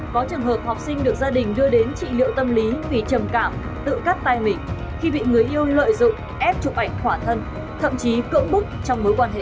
có trường hợp học sinh được gia đình đưa đến trị liệu tâm lý vì trầm cảm tự cắt tay mình khi bị người yêu lợi dụng ép chụp ảnh khỏa thân thậm chí cưỡng bức trong mối quan hệ